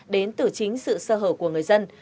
đến từ chính sự sơ hở của người dân